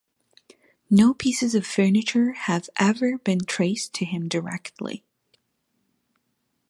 No pieces of furniture have ever been traced to him directly.